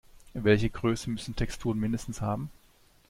Welche Größe müssen Texturen mindestens haben?